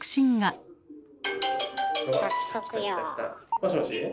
もしもし？